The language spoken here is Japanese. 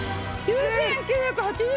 ９９８０円！